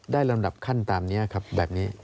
ลำดับขั้นตามนี้ครับแบบนี้